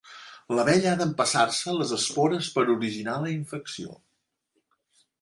L'abella ha d'empassar-se les espores per originar la infecció.